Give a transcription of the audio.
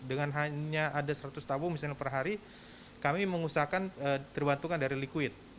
dengan hanya ada seratus tabung misalnya per hari kami mengusahakan terbantukan dari liquid